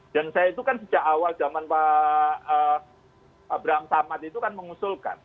dan saya itu kan sejak awal zaman pak abraham samad itu kan mengusulkan